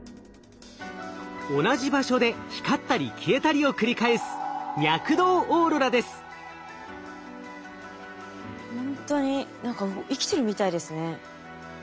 同じ場所で光ったり消えたりを繰り返すほんとに何か生きてるみたいですね。